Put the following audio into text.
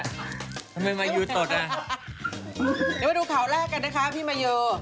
ทำไมมายูตดอย่าไปดูข่าวแรกกันเพียบนอน